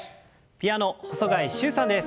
ピアノ細貝柊さんです。